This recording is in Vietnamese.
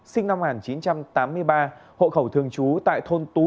sinh năm một nghìn chín trăm tám mươi ba hộ khẩu thường trú tại thôn tú